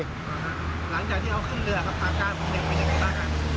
หลังจากที่เขาขึ้นเรือครับอาการของเด็กเป็นยังไงบ้างฮะ